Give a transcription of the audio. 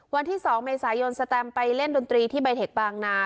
วันที่๒เมษายนสแตมไปเล่นดนตรีที่ใบเทคบางนา